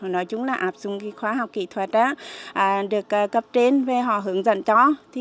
nói chung là áp dụng khoa học kỹ thuật được cấp trên về họ hướng dẫn cho